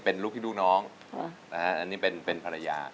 เป็นลูกพี่ลูกน้องอันนี้เป็นภรรยา